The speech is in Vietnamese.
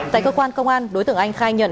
tại cơ quan công an đối tượng anh khai nhận